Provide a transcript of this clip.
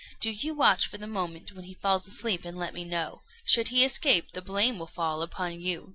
Do you watch for the moment when he falls asleep, and let me know. Should he escape, the blame will fall upon you."